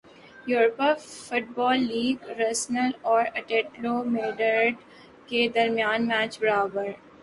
Europa football league Arsenal اور Atletico Madrid کے درمیان میچ برابر